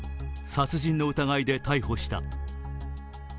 殺人の疑いで逮捕した。